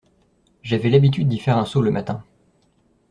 J’avais l’habitude d’y faire un saut le matin.